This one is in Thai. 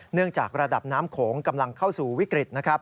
เนื่องจากระดับน้ำโขงกำลังเข้าสู่วิกฤตนะครับ